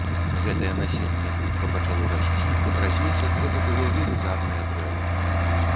Гэтае насенне хутка пачало расці і праз месяц гэта было велізарнае дрэва.